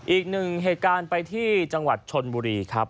อีกหนึ่งเหตุการณ์ไปที่จังหวัดชนบุรีครับ